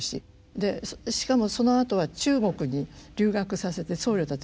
でしかもそのあとは中国に留学させて僧侶たちを留学させて。